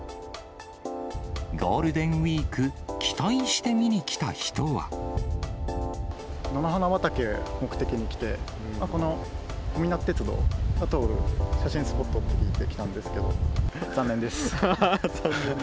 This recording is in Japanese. ゴールデンウィーク、菜の花畑、目的に来て、小湊鉄道と、あと、写真スポットって聞いて来たんですけど、残念です。